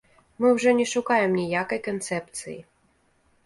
Мы ўжо не шукаем ніякай канцэпцыі.